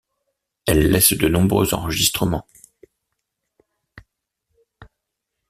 Elle laisse de nombreux enregistrements.